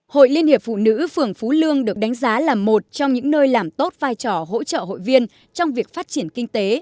hội liên hiệp phụ nữ phường phú lương được đánh giá là một trong những nơi làm tốt vai trò hỗ trợ hội viên trong việc phát triển kinh tế